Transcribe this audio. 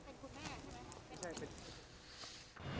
พุทธ